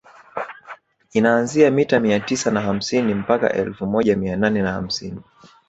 Inaanzia mita mia tisa na hamsini mpaka elfu moja mia nane na hamsini